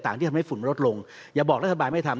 ที่ทำให้ฝุ่นมันลดลงอย่าบอกรัฐบาลไม่ทำ